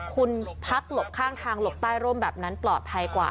คุณพักหลบข้างทางหลบใต้ร่มแบบนั้นปลอดภัยกว่า